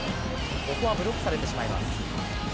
ここはブロックされてしまいます。